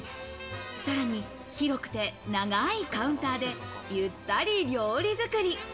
さらに、広くて長いカウンターで、ゆったり料理作り。